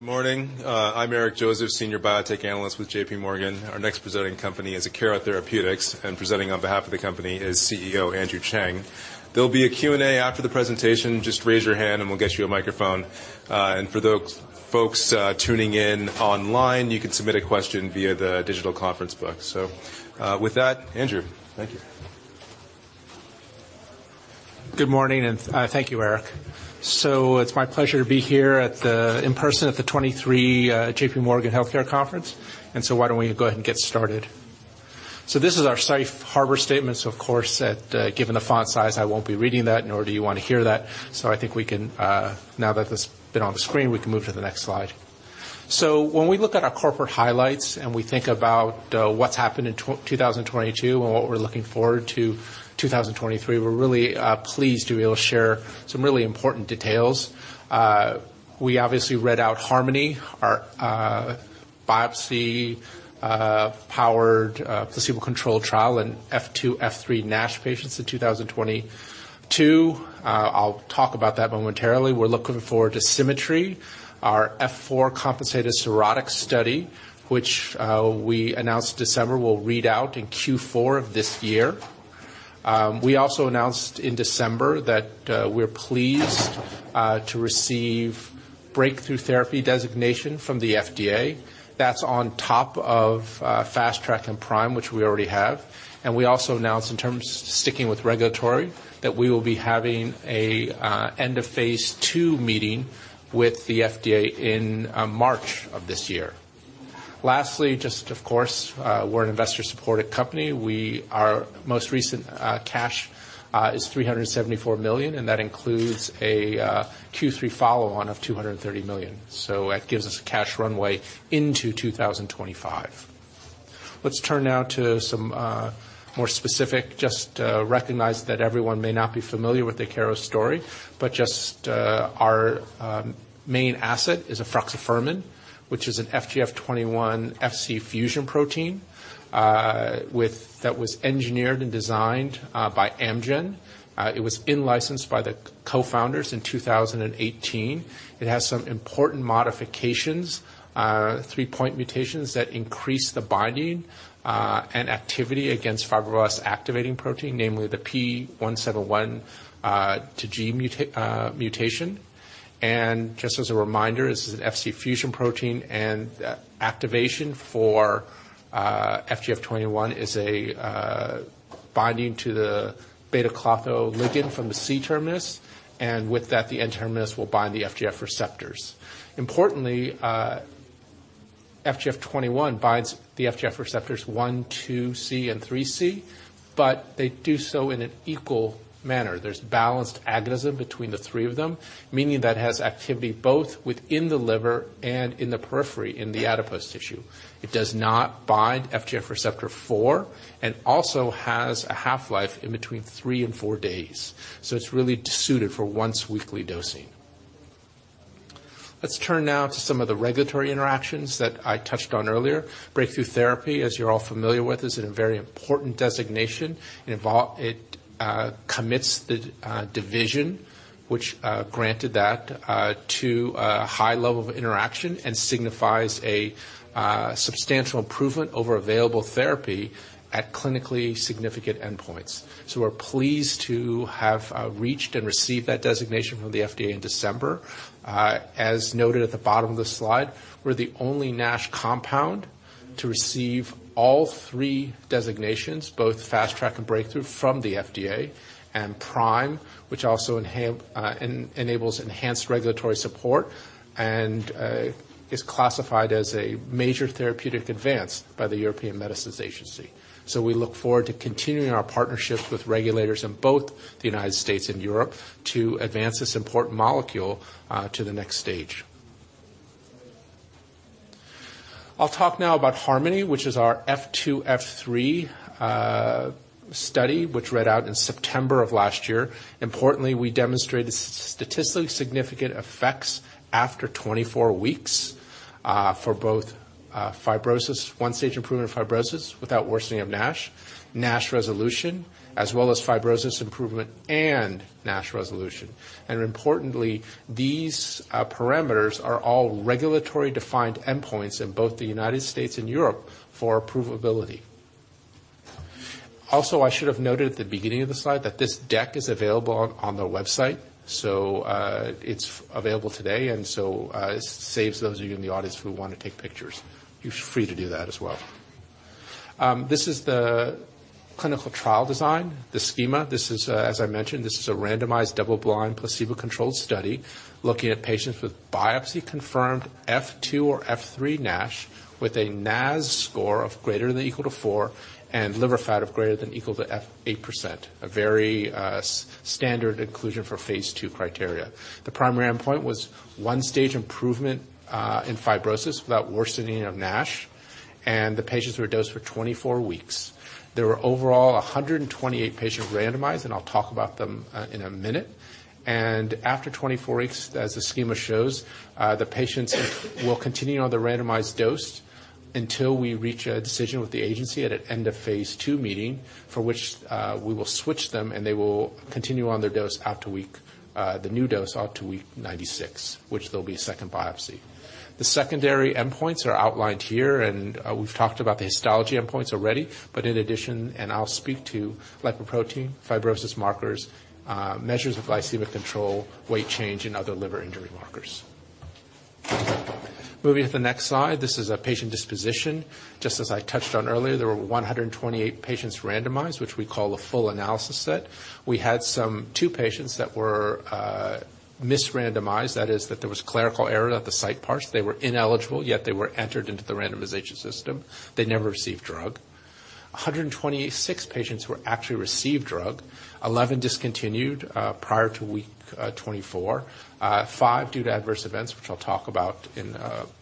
Morning. I'm Eric Joseph, Senior Biotech Analyst with J.P. Morgan. Our next presenting company is Akero Therapeutics, and presenting on behalf of the company is CEO Andrew Cheng. There'll be a Q&A after the presentation. Just raise your hand and we'll get you a microphone. For the folks tuning in online, you can submit a question via the digital conference book. With that, Andrew. Thank you. Good morning, thank you, Eric. It's my pleasure to be here in person at the 2023 J.P. Morgan Healthcare Conference. Why don't we go ahead and get started. This is our safe harbor statement. Of course, given the font size, I won't be reading that, nor do you wanna hear that. I think we can, now that it's been on the screen, we can move to the next slide. When we look at our corporate highlights and we think about what's happened in 2022 and what we're looking forward to 2023, we're really pleased to be able to share some really important details. We obviously read out HARMONY, our biopsy powered placebo-controlled trial in F2, F3 NASH patients in 2022. I'll talk about that momentarily. We're looking for SYMMETRY, our F4 compensated cirrhotic study, which we announced December, will read out in Q4 of this year. We also announced in December that we're pleased to receive Breakthrough Therapy designation from the FDA. That's on top of Fast Track and PRIME, which we already have. We also announced in terms of sticking with regulatory, that we will be having a end of phase two meeting with the FDA in March of this year. Lastly, just of course, we're an investor-supported company. Our most recent cash is $374 million, and that includes a Q3 follow-on of $230 million. That gives us a cash runway into 2025. Let's turn now to some more specific. Just recognize that everyone may not be familiar with Akero's story. Just our main asset is efruxifermin, which is an FGF21-Fc fusion protein that was engineered and designed by Amgen. It was in-licensed by the co-founders in 2018. It has some important modifications, three point mutations that increase the binding and activity against Fibroblast activation protein, namely the P171 to G mutation. Just as a reminder, this is an Fc fusion protein, and activation for FGF21 is a binding to the β-Klotho ligand from the C-terminus, and with that, the N-terminus will bind the FGF receptors. Importantly, FGF21 binds the FGFR1c, 2c, and 3c, but they do so in an equal manner. There's balanced agonism between the three of them, meaning that has activity both within the liver and in the periphery, in the adipose tissue. It does not bind FGFR4 and also has a half-life in between 3 and 4 days. It's really suited for once-weekly dosing. Let's turn now to some of the regulatory interactions that I touched on earlier. Breakthrough Therapy, as you're all familiar with, is a very important designation. It commits the division which granted that to a high level of interaction and signifies a substantial improvement over available therapy at clinically significant endpoints. We're pleased to have reached and received that designation from the FDA in December. As noted at the bottom of the slide, we're the only NASH compound to receive all three designations, both Fast Track and Breakthrough from the FDA and PRIME, which also enables enhanced regulatory support, and is classified as a major therapeutic advance by the European Medicines Agency. We look forward to continuing our partnerships with regulators in both the United States and Europe to advance this important molecule to the next stage. I'll talk now about HARMONY, which is our F2, F3 study, which read out in September of last year. Importantly, we demonstrated statistically significant effects after 24 weeks for both fibrosis, 1-stage improvement in fibrosis without worsening of NASH resolution, as well as fibrosis improvement and NASH resolution. Importantly, these parameters are all regulatory defined endpoints in both the United States and Europe for approvability. I should have noted at the beginning of the slide that this deck is available on the website. It's available today, it saves those of you in the audience who wanna take pictures. You're free to do that as well. This is the clinical trial design, the schema. This is, as I mentioned, this is a randomized double-blind placebo-controlled study looking at patients with biopsy-confirmed F2 or F3 NASH with a NAS score of greater than equal to 4 and liver fat of greater than equal to 8%, a very standard inclusion for phase 2 criteria. The primary endpoint was 1-stage improvement in fibrosis without worsening of NASH, the patients were dosed for 24 weeks. There were overall 128 patients randomized, I'll talk about them in a minute. After 24 weeks, as the schema shows, the patients will continue on the randomized dose until we reach a decision with the agency at an end of phase 2 meeting, for which we will switch them and they will continue on their dose after week, the new dose out to week 96, which there'll be a second biopsy. The secondary endpoints are outlined here, and we've talked about the histology endpoints already. In addition, and I'll speak to lipoprotein, fibrosis markers, measures of glycemic control, weight change, and other liver injury markers. Moving to the next slide. This is a patient disposition. Just as I touched on earlier, there were 128 patients randomized, which we call a full analysis set. We had two patients that were misrandomized. That is, that there was clerical error at the site's part. They were ineligible, yet they were entered into the randomization system. They never received drug. 126 patients who actually received drug. 11 discontinued prior to week 24. 5 due to adverse events, which I'll talk about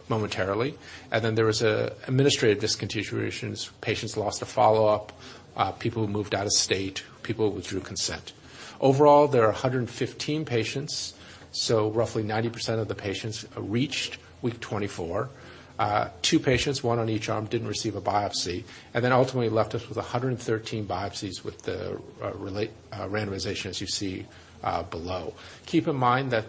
momentarily. There was administrative discontinuations. Patients lost at follow-up, people who moved out of state, people who withdrew consent. Overall, there are 115 patients, so roughly 90% of the patients reached week 24. 2 patients, 1 on each arm, didn't receive a biopsy. Ultimately left us with 113 biopsies with the relate randomization, as you see below. Keep in mind that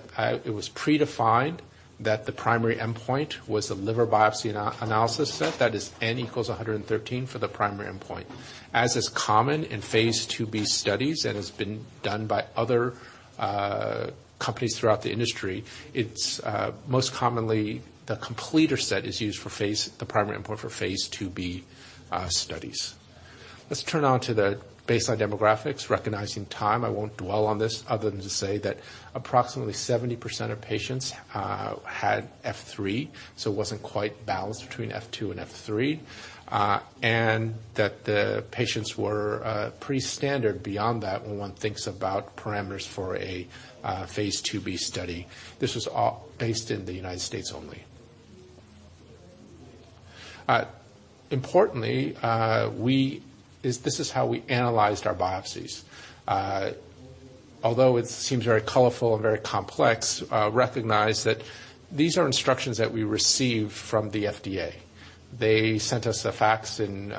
it was predefined that the primary endpoint was the liver biopsy analysis set. That is N equals 113 for the primary endpoint. As is common in Phase 2b studies, and it's been done by other companies throughout the industry, it's most commonly the completer set is used for the primary endpoint for Phase 2b studies. Let's turn on to the baseline demographics. Recognizing time, I won't dwell on this other than to say that approximately 70% of patients had F3, so it wasn't quite balanced between F2 and F3. That the patients were pretty standard beyond that, when one thinks about parameters for a Phase 2b study. This was all based in the United States only. Importantly, this is how we analyzed our biopsies. It seems very colorful and very complex, recognize that these are instructions that we received from the FDA. They sent us a fax in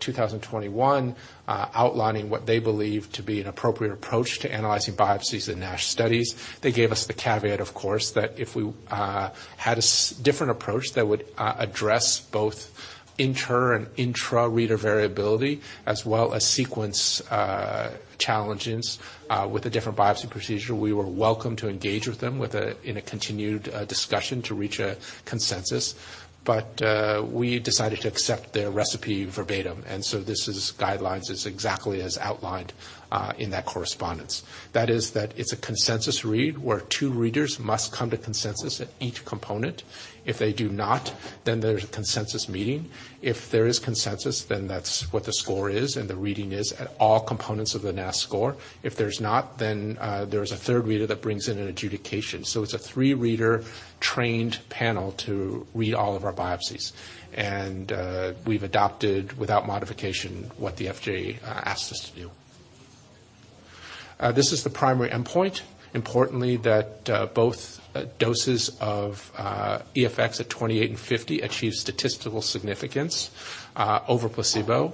2021, outlining what they believe to be an appropriate approach to analyzing biopsies in NASH studies. They gave us the caveat, of course, that if we had a different approach that would address both inter and intra-reader variability as well as sequence challenges with a different biopsy procedure, we were welcome to engage with them with a continued discussion to reach a consensus. We decided to accept their recipe verbatim. This is guidelines, is exactly as outlined in that correspondence. That is that it's a consensus read where two readers must come to consensus at each component. If they do not, then there's a consensus meeting. If there is consensus, then that's what the score is, and the reading is at all components of the NASH score. If there's not, then there's a third reader that brings in an adjudication. It's a three-reader trained panel to read all of our biopsies. We've adopted, without modification, what the FDA asked us to do. This is the primary endpoint. Importantly, that both doses of EFX at 28 and 50 achieve statistical significance over placebo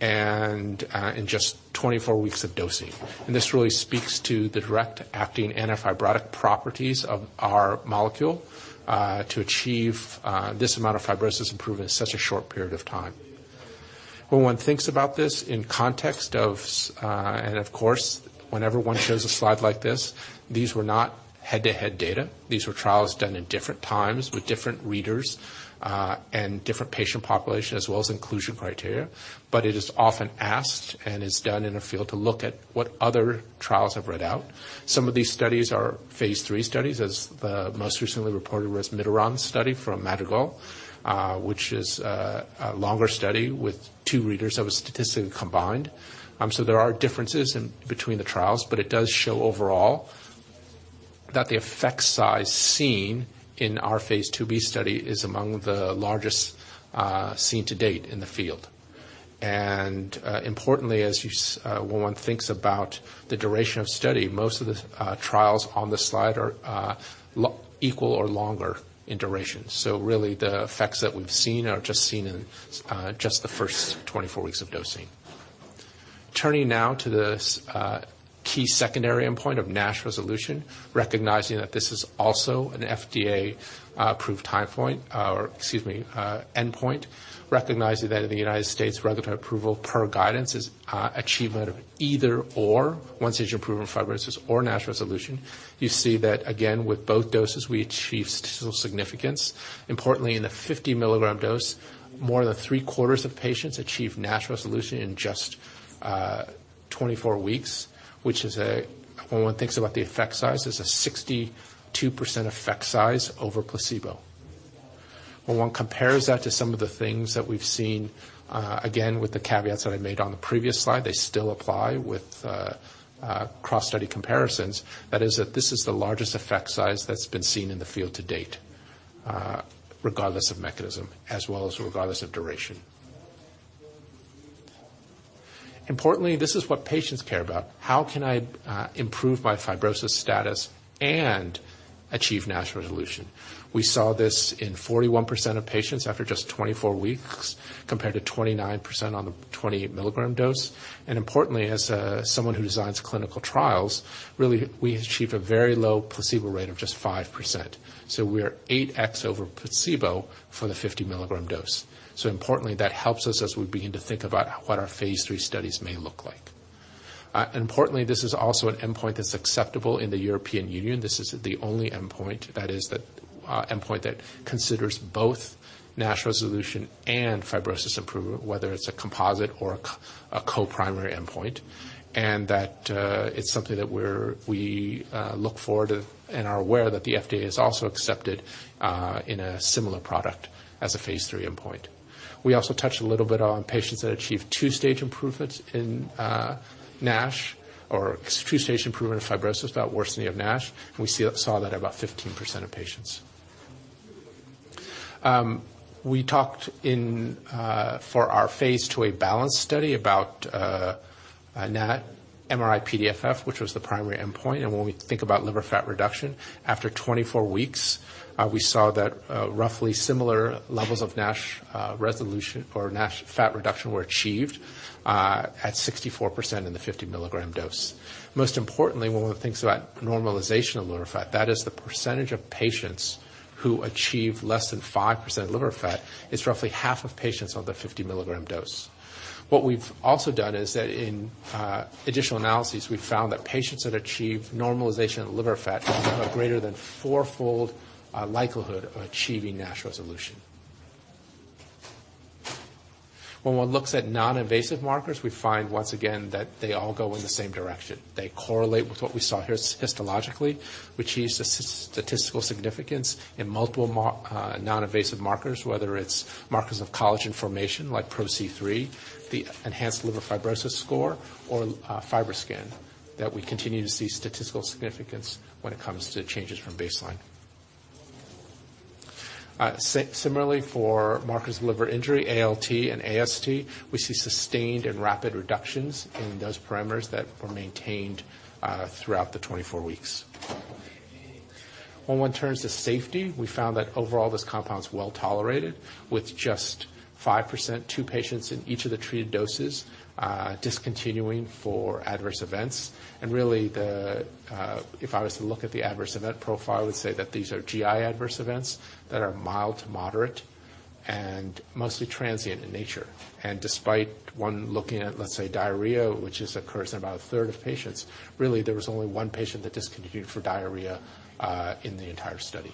and in just 24 weeks of dosing. This really speaks to the direct acting antifibrotic properties of our molecule to achieve this amount of fibrosis improvement in such a short period of time. When one thinks about this in context of, and of course, whenever one shows a slide like this, these were not head-to-head data. These were trials done in different times with different readers, and different patient population, as well as inclusion criteria. It is often asked, and is done in the field, to look at what other trials have read out. Some of these studies are Phase 3 studies, as the most recently reported was MAESTRO-NASH study from Madrigal, which is a longer study with two readers that was statistically combined. There are differences in between the trials, but it does show overall that the effect size seen in our Phase 2b study is among the largest seen to date in the field. Importantly, as one thinks about the duration of study, most of the trials on this slide are equal or longer in duration. Really the effects that we've seen are just seen in just the first 24 weeks of dosing. Turning now to the key secondary endpoint of NASH resolution, recognizing that this is also an FDA approved time point. Excuse me, endpoint. Recognizing that in the United States, regulatory approval per guidance is achievement of either or once it's improvement in fibrosis or NASH resolution. That again with both doses, we achieve statistical significance. Importantly, in the 50-milligram dose, more than three-quarters of patients achieve NASH resolution in just 24 weeks. Which is a. When one thinks about the effect size, is a 62% effect size over placebo. When one compares that to some of the things that we've seen again, with the caveats that I made on the previous slide, they still apply with cross-study comparisons. That is that this is the largest effect size that's been seen in the field to date, regardless of mechanism as well as regardless of duration. Importantly, this is what patients care about. How can I improve my fibrosis status and achieve NASH resolution. We saw this in 41% of patients after just 24 weeks compared to 29% on the 28 milligram dose. Importantly, as someone who designs clinical trials, really, we achieve a very low placebo rate of just 5%. We're 8x over placebo for the 50 milligram dose. Importantly, that helps us as we begin to think about what our phase 3 studies may look like. Importantly, this is also an endpoint that's acceptable in the European Union. This is the only endpoint that is the endpoint that considers both NASH resolution and fibrosis improvement, whether it's a composite or a co-primary endpoint, and that, it's something that we look forward and are aware that the FDA has also accepted, in a similar product as a phase 3 endpoint. We also touched a little bit on patients that achieved 2-stage improvements in NASH or 2-stage improvement in fibrosis without worsening of NASH. We saw that in about 15% of patients. We talked in for our Phase 2A BALANCED study about MRI-PDFF, which was the primary endpoint. When we think about liver fat reduction, after 24 weeks, we saw that roughly similar levels of NASH resolution or NASH fat reduction were achieved at 64% in the 50 milligram dose. Most importantly, when one thinks about normalization of liver fat, that is the percentage of patients who achieve less than 5% liver fat is roughly half of patients on the 50 milligram dose. What we've also done is that in additional analyses, we found that patients that achieve normalization of liver fat have a greater than 4-fold likelihood of achieving NASH resolution. When one looks at non-invasive markers, we find once again that they all go in the same direction. They correlate with what we saw histologically, which uses statistical significance in multiple non-invasive markers, whether it's markers of collagen formation like PRO-C3, the Enhanced Liver Fibrosis score or FibroScan, that we continue to see statistical significance when it comes to changes from baseline. Similarly for markers of liver injury, ALT and AST, we see sustained and rapid reductions in those parameters that were maintained throughout the 24 weeks. When one turns to safety, we found that overall this compound is well-tolerated with just 5%, 2 patients in each of the treated doses, discontinuing for adverse events. Really, the if I was to look at the adverse event profile, I would say that these are GI adverse events that are mild to moderate and mostly transient in nature. Despite 1 looking at, let's say, diarrhea, which is occurs in about a third of patients, really, there was only 1 patient that discontinued for diarrhea in the entire study.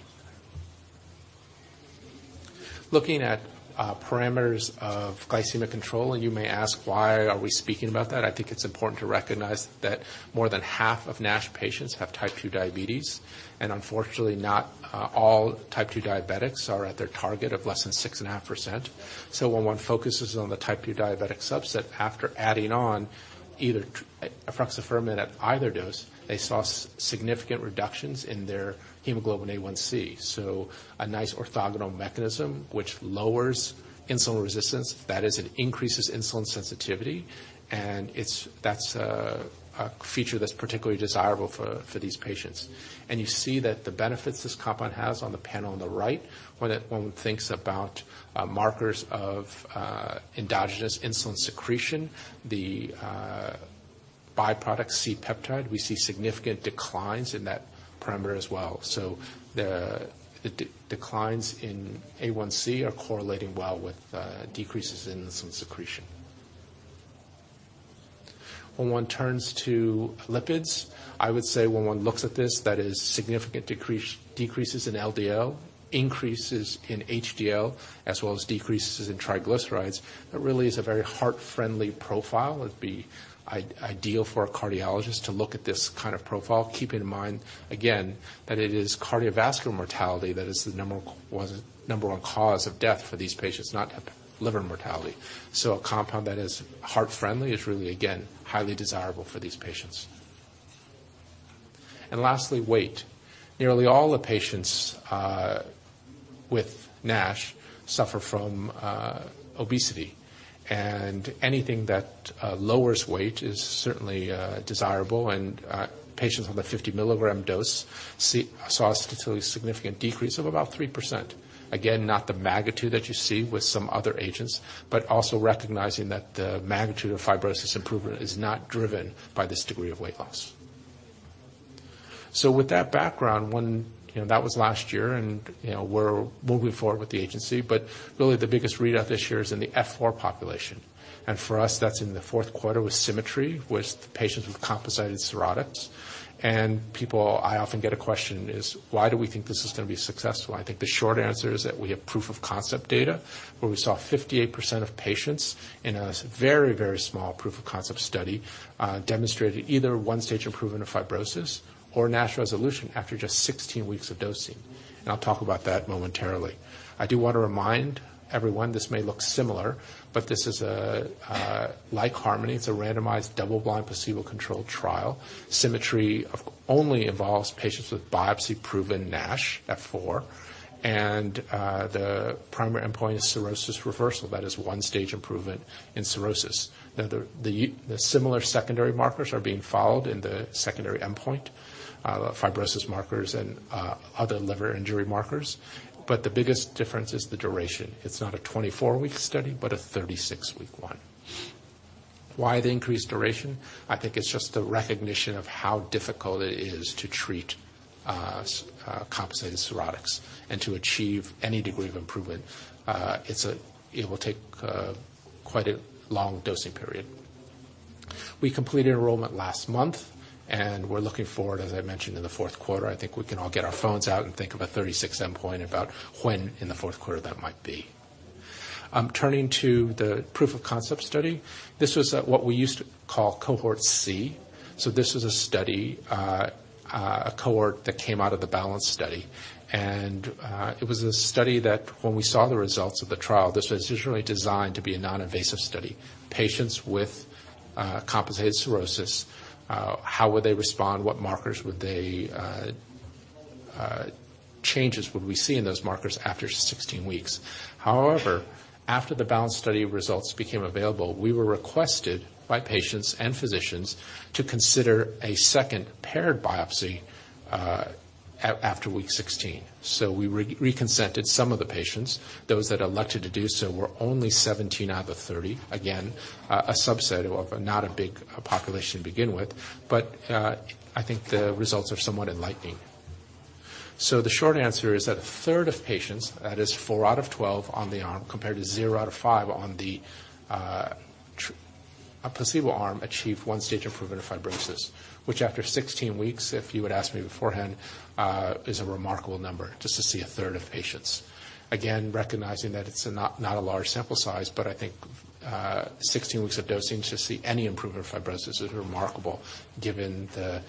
Looking at parameters of glycemic control, you may ask why are we speaking about that? I think it's important to recognize that more than half of NASH patients have type 2 diabetes, and unfortunately not all type 2 diabetics are at their target of less than 6.5%. When 1 focuses on the type 2 diabetic subset, after adding on either efruxifermin at either dose, they saw significant reductions in their hemoglobin A1c. A nice orthogonal mechanism which lowers insulin resistance, that is it increases insulin sensitivity, and that's a feature that's particularly desirable for these patients. You see that the benefits this compound has on the panel on the right, when one thinks about markers of endogenous insulin secretion, the byproduct C-peptide, we see significant declines in that parameter as well. The declines in A1c are correlating well with decreases in insulin secretion. When one turns to lipids, I would say when one looks at this, that is significant decreases in LDL, increases in HDL, as well as decreases in triglycerides. It really is a very heart-friendly profile. It'd be ideal for a cardiologist to look at this kind of profile, keeping in mind again that it is cardiovascular mortality that is the number 1 cause of death for these patients, not liver mortality. A compound that is heart-friendly is really, again, highly desirable for these patients. Lastly, weight. Nearly all the patients with NASH suffer from obesity. Anything that lowers weight is certainly desirable, and patients on the 50 milligram dose saw a statistically significant decrease of about 3%. Again, not the magnitude that you see with some other agents, but also recognizing that the magnitude of fibrosis improvement is not driven by this degree of weight loss. With that background, one, you know, that was last year and, you know, we're moving forward with the agency, but really the biggest readout this year is in the F4 population. For us, that's in Q4 with SYMMETRY with the patients with compensated cirrhotics. People, I often get a question is, "Why do we think this is gonna be successful?" I think the short answer is that we have proof of concept data where we saw 58% of patients in a very, very small proof of concept study demonstrated either one stage improvement of fibrosis or NASH resolution after just 16 weeks of dosing. I'll talk about that momentarily. I do wanna remind everyone this may look similar, but this is a like Harmony, it's a randomized double-blind placebo-controlled trial. Symmetry only involves patients with biopsy-proven NASH F4, and the primary endpoint is cirrhosis reversal. That is one stage improvement in cirrhosis. Now, the similar secondary markers are being followed in the secondary endpoint, fibrosis markers and other liver injury markers. The biggest difference is the duration. It's not a 24-week study, but a 36-week one. Why the increased duration? I think it's just the recognition of how difficult it is to treat compensated cirrhotics and to achieve any degree of improvement. It will take quite a long dosing period. We completed enrollment last month. We're looking forward, as I mentioned, in Q4. I think we can all get our phones out and think of a 36 endpoint about when in Q4 that might be. I'm turning to the proof of concept study. This was what we used to call Cohort C. This is a study, a cohort that came out of the BALANCED study. It was a study that when we saw the results of the trial, this was usually designed to be a non-invasive study. Patients with compensated cirrhosis, how would they respond, what markers would they changes would we see in those markers after 16 weeks? After the BALANCED study results became available, we were requested by patients and physicians to consider a second paired biopsy after week 16. We reconsented some of the patients. Those that elected to do so were only 17 out of 30. Again, a subset of a not a big population to begin with, but I think the results are somewhat enlightening. The short answer is that a third of patients, that is 4 out of 12 on the arm, compared to 0 out of 5 on the placebo arm, achieved one stage improvement of fibrosis, which after 16 weeks, if you would ask me beforehand, is a remarkable number just to see a third of patients. Again, recognizing that it's not a large sample size, but I think 16 weeks of dosing to see any improvement of fibrosis is remarkable given the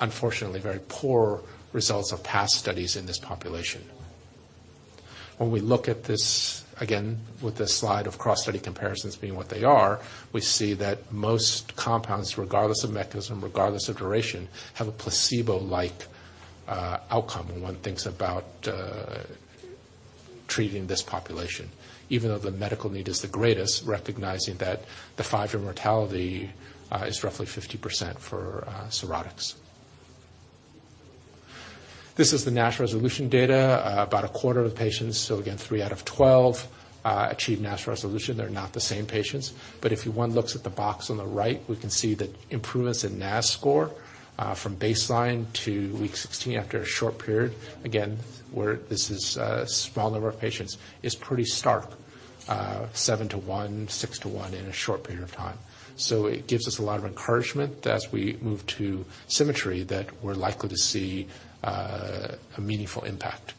unfortunately very poor results of past studies in this population. When we look at this again with this slide of cross-study comparisons being what they are, we see that most compounds, regardless of mechanism, regardless of duration, have a placebo-like outcome when one thinks about treating this population, even though the medical need is the greatest, recognizing that the 5-year mortality is roughly 50% for cirrhotics. This is the NASH resolution data, about a quarter of the patients, so again, 3 out of 12 achieved NASH resolution. They're not the same patients. If one looks at the box on the right, we can see the improvements in NASH score from baseline to week 16 after a short period. Again, where this is a small number of patients, it's pretty stark, 7 to 1, 6 to 1 in a short period of time. It gives us a lot of encouragement as we move to SYMMETRY that we're likely to see a meaningful impact.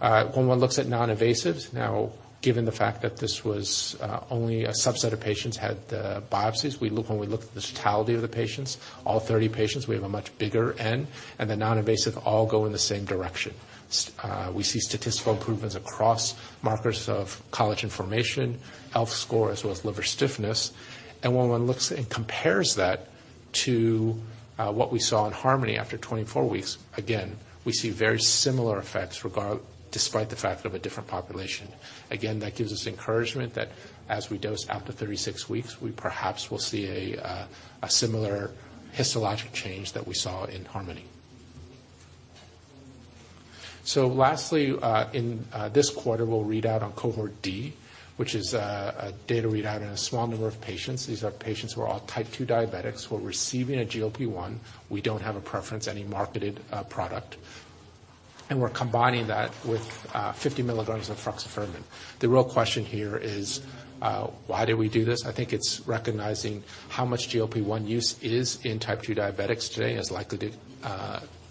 When one looks at non-invasives, now, given the fact that this was only a subset of patients had the biopsies, when we look at the totality of the patients, all 30 patients, we have a much bigger N, and the non-invasive all go in the same direction. We see statistical improvements across markers of collagen formation, ELF score, as well as liver stiffness. And when one looks and compares that to what we saw in HARMONY after 24 weeks, again, we see very similar effects despite the fact of a different population. Again, that gives us encouragement that as we dose out to 36 weeks, we perhaps will see a similar histologic change that we saw in HARMONY. Lastly, in this quarter, we'll read out on Cohort D, which is a data readout in a small number of patients. These are patients who are all Type 2 diabetics who are receiving a GLP-1. We don't have a preference, any marketed product. We're combining that with 50 milligrams of efruxifermin. The real question here is why do we do this? I think it's recognizing how much GLP-1 use is in Type 2 diabetics today, and it's likely to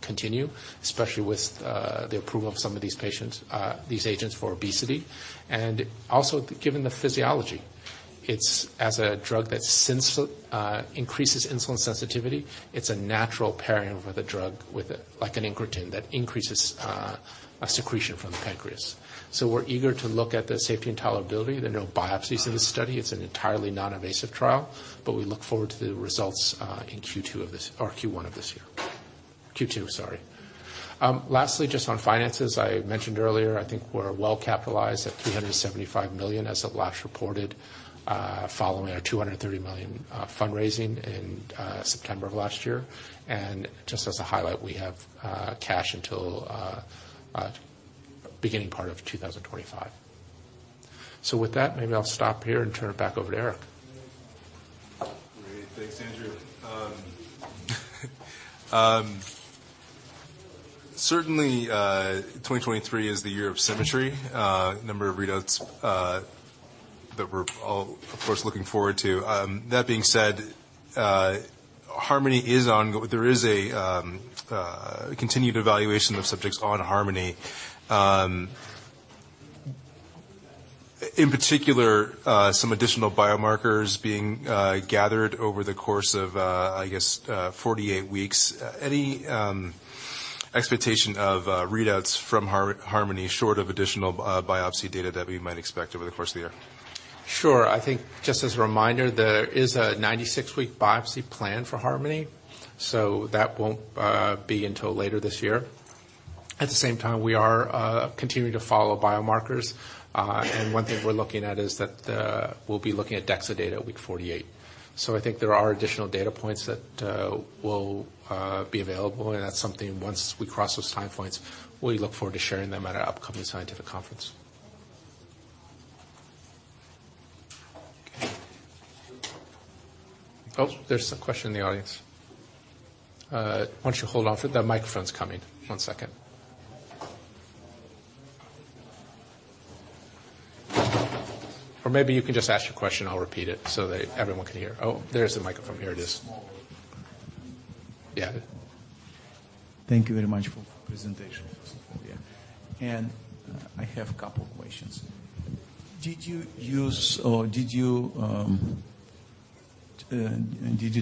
continue, especially with the approval of some of these agents for obesity. Given the physiology, it's as a drug that increases insulin sensitivity, it's a natural pairing for the drug with a, like, an incretin that increases a secretion from the pancreas. We're eager to look at the safety and tolerability. There are no biopsies in this study. It's an entirely non-invasive trial, but we look forward to the results in Q2 of this... or Q1 of this year. Q2, sorry. Lastly, just on finances, I mentioned earlier, I think we're well-capitalized at $375 million as of last reported, following our $230 million fundraising in September of last year. Just as a highlight, we have cash until beginning part of 2025. With that, maybe I'll stop here and turn it back over to Eric. Great. Thanks, Andrew. Certainly, 2023 is the year of SYMMETRY. A number of readouts that we're all, of course, looking forward to. That being said, HARMONY is on. There is a continued evaluation of subjects on HARMONY. In particular, some additional biomarkers being gathered over the course of, I guess, 48 weeks. Any expectation of readouts from HARMONY short of additional biopsy data that we might expect over the course of the year? Sure. I think just as a reminder, there is a 96-week biopsy plan for HARMONY, so that won't be until later this year. At the same time, we are continuing to follow biomarkers. And one thing we're looking at is that we'll be looking at DEXA data at week 48. I think there are additional data points that will be available, and that's something once we cross those time points, we look forward to sharing them at an upcoming scientific conference. Oh, there's a question in the audience. Why don't you hold on. The microphone's coming. One second. Maybe you can just ask your question, I'll repeat it so that everyone can hear. Oh, there's the microphone. Here it is. Thank you very much for presentation. I have a couple questions. Did you use or did you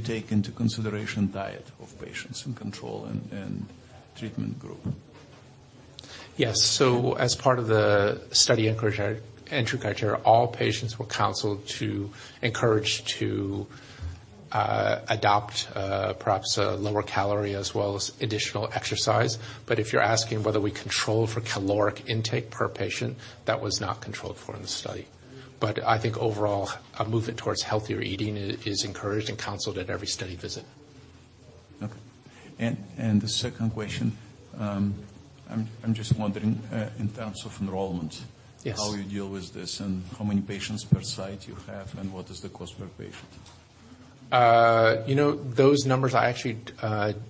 take into consideration diet of patients in control and treatment group? Yes. As part of the study entry criteria, all patients were counseled to encourage to adopt perhaps a lower calorie as well as additional exercise. If you're asking whether we control for caloric intake per patient, that was not controlled for in the study. I think overall, a movement towards healthier eating is encouraged and counseled at every study visit. Okay. The second question, I'm just wondering, in terms of enrollment. Yes. How you deal with this and how many patients per site you have, and what is the cost per patient? Those numbers are actually,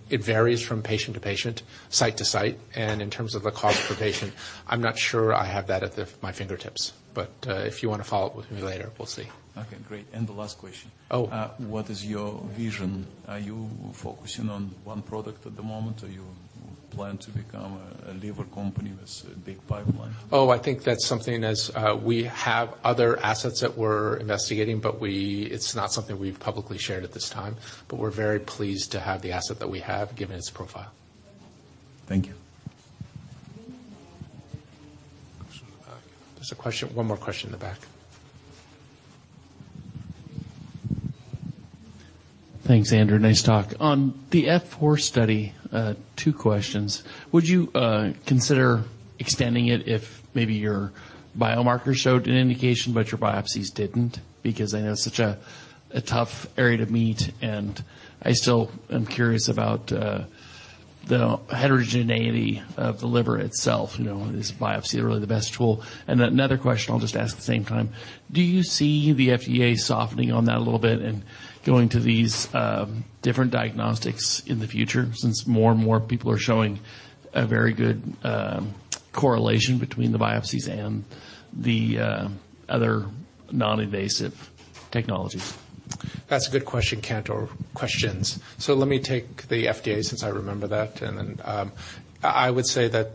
it varies from patient to patient, site to site. In terms of the cost per patient, I'm not sure I have that at my fingertips. If you wanna follow up with me later, we'll see. Okay, great. The last question. Oh. What is your vision? Are you focusing on one product at the moment, or you plan to become a bigger company with a big pipeline? I think that's something as we have other assets that we're investigating, but it's not something we've publicly shared at this time. We're very pleased to have the asset that we have, given its profile. Thank you. There's a question. One more question in the back. Thanks, Andrew. Nice talk. On the F4 study, two questions. Would you consider extending it if maybe your biomarkers showed an indication but your biopsies didn't? Because I know it's such a tough area to meet, and I still am curious about the heterogeneity of the liver itself. You know, is biopsy really the best tool? Another question I'll just ask at the same time, do you see the FDA softening on that a little bit and going to these different diagnostics in the future since more and more people are showing a very good correlation between the biopsies and the other non-invasive technologies? That's a good question, Kent, or questions. Let me take the FDA since I remember that and then. I would say that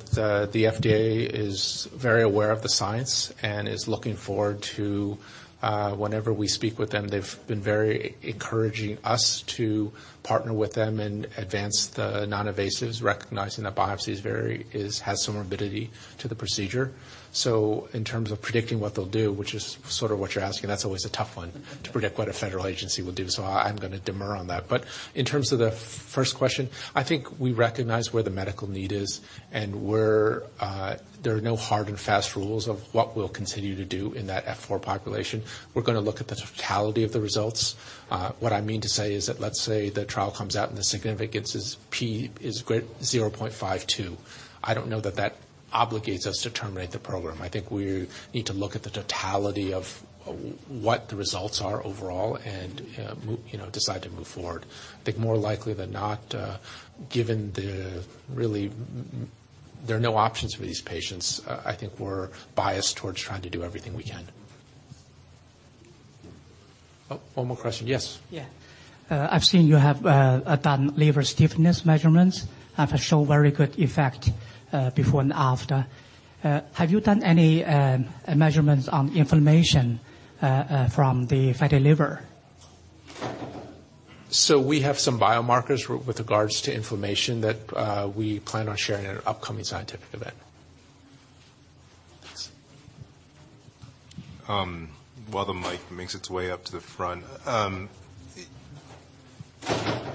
the FDA is very aware of the science and is looking forward to, Whenever we speak with them, they've been very encouraging us to partner with them and advance the non-invasives, recognizing that biopsy has some morbidity to the procedure. In terms of predicting what they'll do, which is sort of what you're asking, that's always a tough one to predict what a federal agency will do. I'm gonna demur on that. In terms of the first question, I think we recognize where the medical need is and where there are no hard and fast rules of what we'll continue to do in that F4 population. We're gonna look at the totality of the results. What I mean to say is that let's say the trial comes out and the significance is P is great, 0.52. I don't know that that obligates us to terminate the program. I think we need to look at the totality of what the results are overall and, move, decide to move forward. I think more likely than not, given the really there are no options for these patients, I think we're biased towards trying to do everything we can. Oh, one more question. Yes. I've seen you have done liver stiffness measurements and show very good effect before and after. Have you done any measurements on inflammation from the fatty liver? We have some biomarkers with regards to inflammation that, we plan on sharing at an upcoming scientific event. While the mic makes its way up to the front.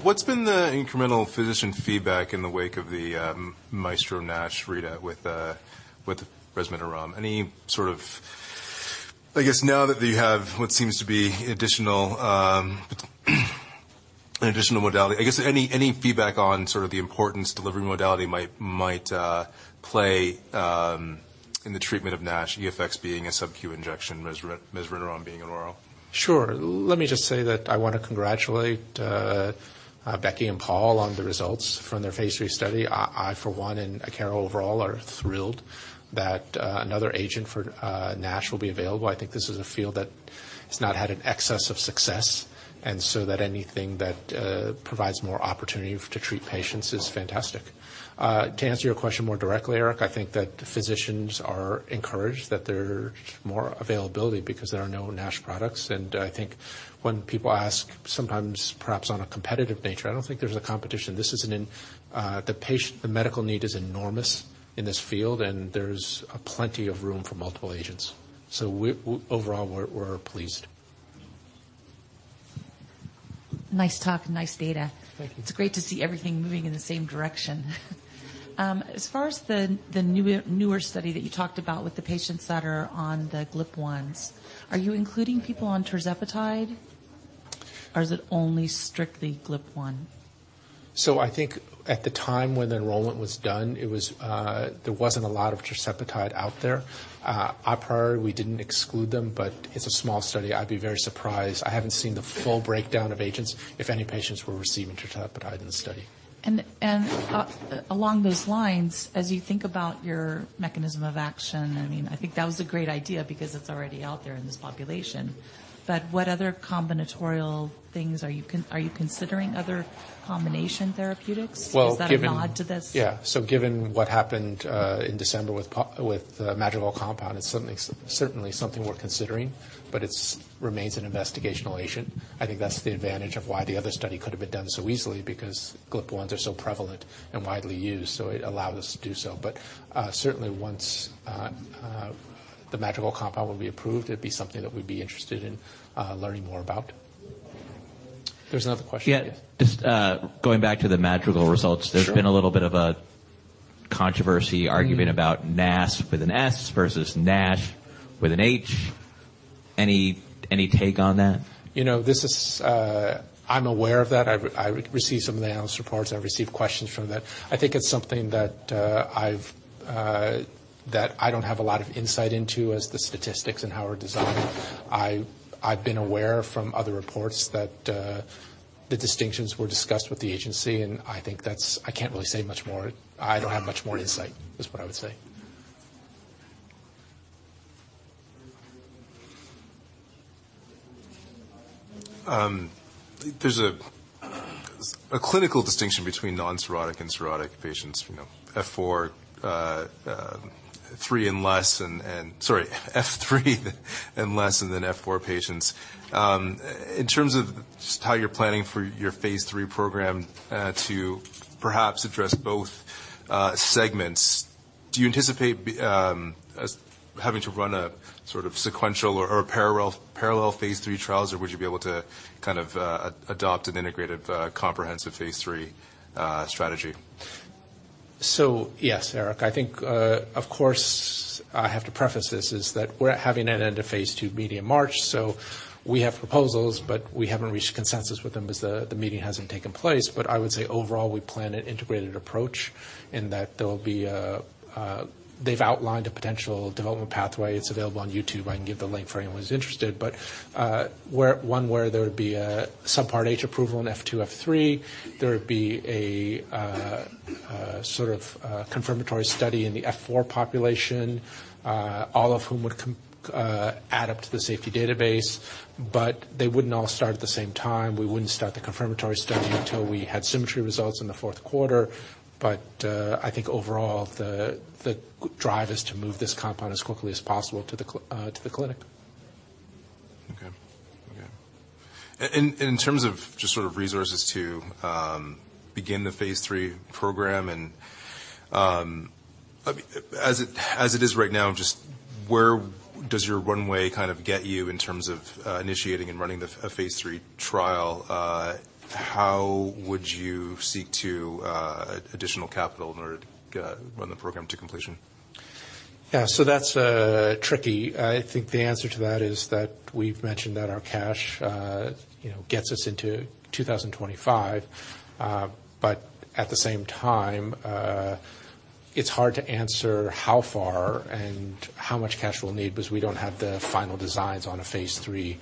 What's been the incremental physician feedback in the wake of the MAESTRO-NASH read with resmetirom? Any sort of I guess now that you have what seems to be additional modality. I guess any feedback on sort of the importance delivery modality might play in the treatment of NASH, EFX being a sub-Q injection, resmetirom being an oral? Sure. Let me just say that I wanna congratulate Becky and Paul on the results from their Phase 3 study. I for one and Akero overall are thrilled that another agent for NASH will be available. I think this is a field that has not had an excess of success. Anything that provides more opportunity to treat patients is fantastic. To answer your question more directly, Eric, I think that physicians are encouraged that there's more availability because there are no NASH products. I think when people ask sometimes perhaps on a competitive nature, I don't think there's a competition. The medical need is enormous in this field, there's plenty of room for multiple agents. Overall, we're pleased. Nice talk. Nice data. Thank you. It's great to see everything moving in the same direction. As far as the newer study that you talked about with the patients that are on the GLP-1s, are you including people on tirzepatide, or is it only strictly GLP-1? I think at the time when the enrollment was done, it was, there wasn't a lot of tirzepatide out there. A priority, we didn't exclude them, but it's a small study. I'd be very surprised. I haven't seen the full breakdown of agents, if any patients were receiving tirzepatide in the study. Along those lines, as you think about your mechanism of action, I mean, I think that was a great idea because it's already out there in this population. What other combinatorial things are you considering other combination therapeutics? Well. Is that a nod to this? Given what happened in December with Madrigal's compound, it's certainly something we're considering, but it's remains an investigational agent. I think that's the advantage of why the other study could have been done so easily because GLP-1s are so prevalent and widely used, so it allowed us to do so. Certainly once the Madrigal's compound will be approved, it'd be something that we'd be interested in learning more about. There's another question. Just, going back to the Madrigal results. Sure. There's been a little bit of a controversy. Argument about NAS with an S versus NASH with an H. Any take on that? This is. I'm aware of that. I've received some of the analyst reports. I've received questions from that. I think it's something that I've that I don't have a lot of insight into as the statistics and how we're designed. I've been aware from other reports that the distinctions were discussed with the agency, and I think that's. I can't really say much more. I don't have much more insight, is what I would say. There's a clinical distinction between non-cirrhotic and cirrhotic patients. You know, F4, 3 and less. Sorry, F3 and less, and then F4 patients. In terms of just how you're planning for your phase 3 program, to perhaps address both segments, do you anticipate as having to run a sort of sequential or parallel phase 3 trials, or would you be able to kind of adopt an integrated, comprehensive phase 3 strategy? Yes, Eric. I think, of course, I have to preface this, is that we're having an end of Phase 2 meeting in March. We have proposals, but we haven't reached consensus with them as the meeting hasn't taken place. I would say overall, we plan an integrated approach in that there'll be a potential development pathway. It's available on YouTube. I can give the link for anyone who's interested. Where one where there would be a subpart H approval in F2, F3. There would be a sort of confirmatory study in the F4 population, all of whom would add up to the safety database. They wouldn't all start at the same time. We wouldn't start the confirmatory study until we had SYMMETRY results in Q4. I think overall, the drive is to move this compound as quickly as possible to the clinic. Okay. In terms of just sort of resources to begin the phase 3 program and, I mean, as it is right now, just where does your runway kind of get you in terms of initiating and running the a phase 3 trial? How would you seek to additional capital in order to run the program to completion? That's tricky. I think the answer to that is that we've mentioned that our cash, you know, gets us into 2025. At the same time, it's hard to answer how far and how much cash we'll need because we don't have the final designs on a phase 3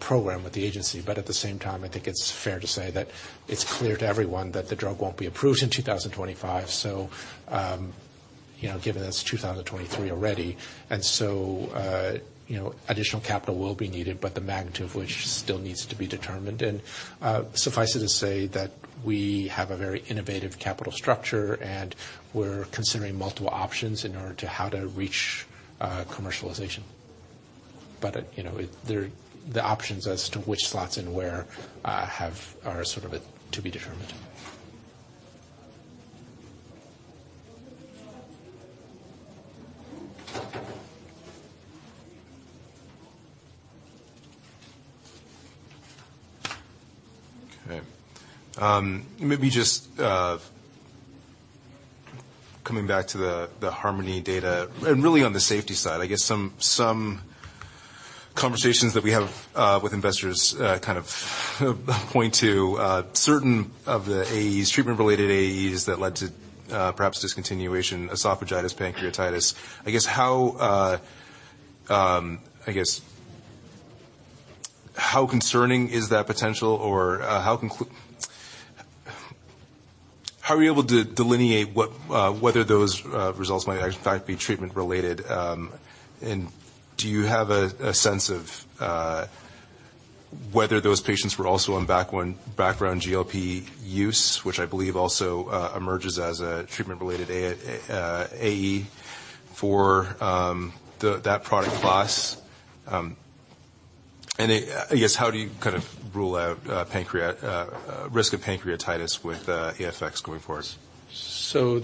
program with the agency. At the same time, I think it's fair to say that it's clear to everyone that the drug won't be approved in 2025. Given it's 2023 already, additional capital will be needed, but the magnitude of which still needs to be determined. Suffice it to say that we have a very innovative capital structure, and we're considering multiple options in order to how to reach commercialization. The options as to which slots and where, are sort of to be determined. Okay. Maybe just coming back to the HARMONY data, and really on the safety side. I guess some conversations that we have with investors kind of point to certain of the AEs, treatment-related AEs that led to perhaps discontinuation, esophagitis, pancreatitis. I guess how concerning is that potential or How are you able to delineate whether those results might, in fact, be treatment related? Do you have a sense of whether those patients were also on background GLP use, which I believe also emerges as a treatment-related AE for that product class? I guess, how do you kind of rule out risk of pancreatitis with EFX going forward?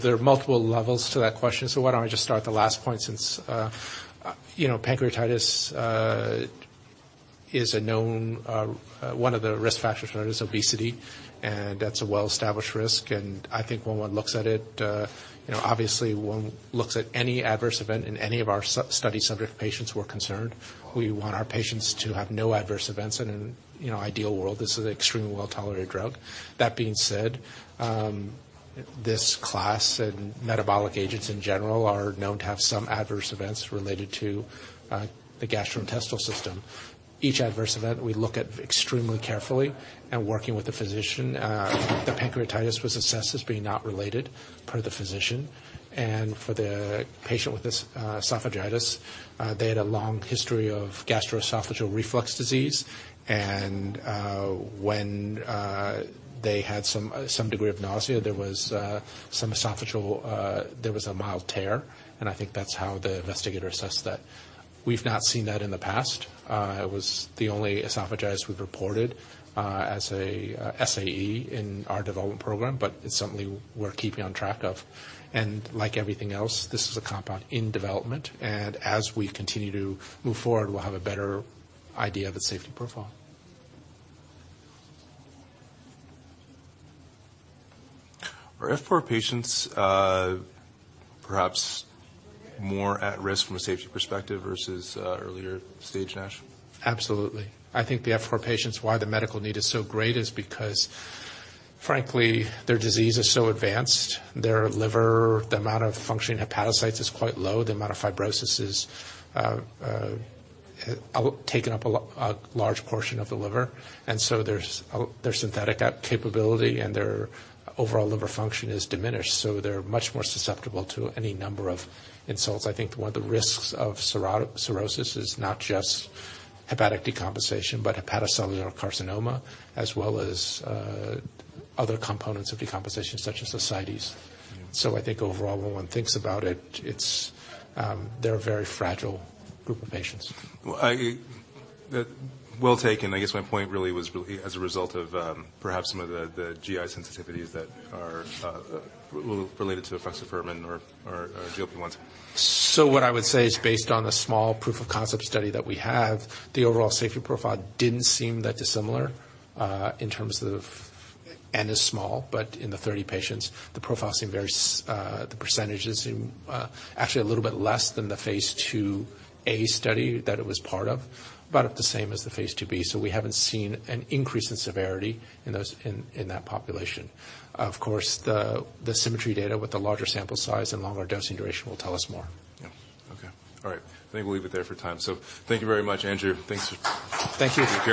There are multiple levels to that question. Why don't I just start at the last point since, pancreatitis is a known, one of the risk factors for it is obesity, and that's a well-established risk. I think when one looks at it, you know, obviously one looks at any adverse event in any of our study subject patients, we're concerned. We want our patients to have no adverse events in an, you know, ideal world. This is an extremely well-tolerated drug. That being said, this class and metabolic agents in general are known to have some adverse events related to the gastrointestinal system. Each adverse event we look at extremely carefully and working with the physician. The pancreatitis was assessed as being not related per the physician for the patient with esophagitis, they had a long history of gastroesophageal reflux disease and when they had some degree of nausea, there was a mild tear. I think that's how the investigator assessed that. We've not seen that in the past. It was the only esophagitis we've reported as a SAE in our development program, but it's something we're keeping on track of. Like everything else, this is a compound in development, and as we continue to move forward, we'll have a better idea of its safety profile. Are F4 patients, perhaps more at risk from a safety perspective versus, earlier stage NASH? Absolutely. I think the F4 patients, why the medical need is so great is because, frankly, their disease is so advanced, their liver, the amount of functioning hepatocytes is quite low. The amount of fibrosis is taken up a large portion of the liver. There's their synthetic app capability and their overall liver function is diminished, so they're much more susceptible to any number of insults. I think one of the risks of cirrhosis is not just hepatic decomposition, but hepatocellular carcinoma, as well as other components of decomposition, such as ascites. I think overall when one thinks about it's, they're a very fragile group of patients. Well taken. I guess my point really was as a result of, perhaps some of the GI sensitivities that are related to efruxifermin and/or GLP-1s. What I would say is based on the small proof of concept study that we have, the overall safety profile didn't seem that dissimilar. N is small, but in the 30 patients, the profile seem very the percentages seem, actually a little bit less than the Phase 2a study that it was part of. About the same as the Phase 2b. We haven't seen an increase in severity in that population. Of course, the SYMMETRY data with the larger sample size and longer dosing duration will tell us more. All right. I think we'll leave it there for time. Thank you very much, Andrew. Thanks for Thank you. Thank you all.